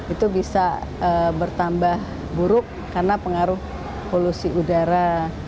itu bisa bertambah buruk karena pengaruh polusi udara